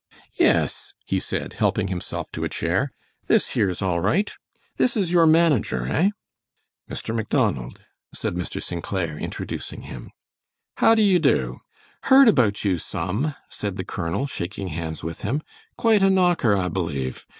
"Yes," he said, helping himself to a chair, "this here's all right. This is your manager, eh?" "Mr. Macdonald," said Mr. St. Clair, introducing him. "How do you do? Heard about you some," said the colonel, shaking hands with him. "Quite a knocker, I believe.